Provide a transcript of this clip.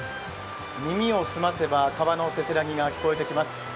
耳を澄ませば川のせせらぎが聞こえてきます。